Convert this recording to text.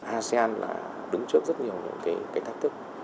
asean là đứng trước rất nhiều những cái thách thức